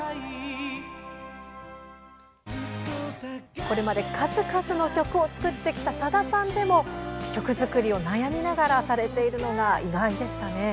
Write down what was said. これまで数々の曲を作ってきたさださんでも、曲作りを悩みながらされてるのが意外でしたね。